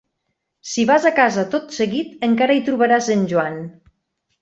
Si vas a casa tot seguit, encara hi trobaràs en Joan.